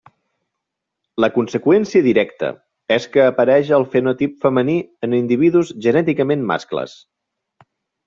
La conseqüència directa és que apareix el fenotip femení en individus genèticament mascles.